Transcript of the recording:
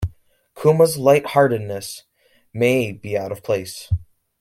Kuma's light heartedness may be out of place.